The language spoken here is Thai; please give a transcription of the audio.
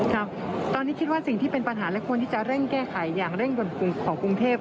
ครับตอนนี้คิดว่าสิ่งที่เป็นปัญหาและควรที่จะเร่งแก้ไขอย่างเร่งด่วนของกรุงเทพ